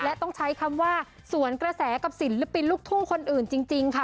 และต้องใช้คำว่าสวนกระแสกับศิลปินลูกทุ่งคนอื่นจริงค่ะ